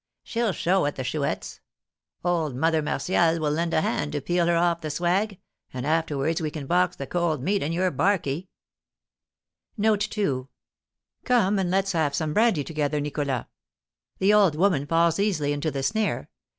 She'll show at the Chouette's. Old Mother Martial will lend a hand to peel her of the swag, and a'terwards we can box the 'cold meat' in your 'barkey.'" "Come and let's have some brandy together, Nicholas. The old woman falls easily into the snare.